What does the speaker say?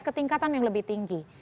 ketingkatan yang lebih tinggi